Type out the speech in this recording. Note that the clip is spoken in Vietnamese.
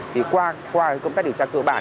thì qua công tác điều tra cơ bản